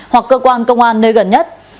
hoặc cơ quan công an nơi gần nhất